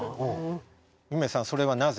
夢さんそれはなぜ？